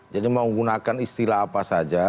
jadi mau menggunakan istilah apa saja